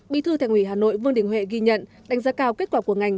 bí thư thành ủy hà nội vương đình huệ ghi nhận đánh giá cao kết quả của ngành